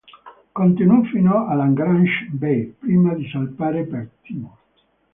Continuò fino a Lagrange Bay prima di salpare per Timor.